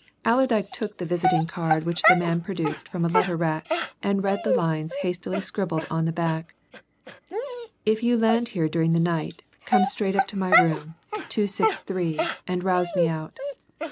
Allerdyke took the visiting card which the man produced from a letter rack, and read the lines hastily scribbled on the back If you land here during the night, come straight up to my room 263 and rouse me out.